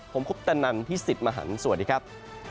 ผมคุปตะนันพี่สิทธิ์มหันฯสวัสดีครับ